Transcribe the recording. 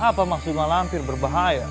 apa maksud malampir berbahaya